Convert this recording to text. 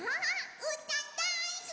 うーたんだいすき！